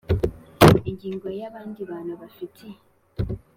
Ingingo ya abandi bantu bafitiye